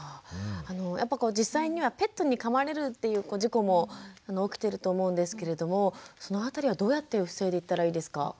実際にはペットにかまれるっていう事故も起きてると思うんですけれどもそのあたりはどうやって防いでいったらいいですか？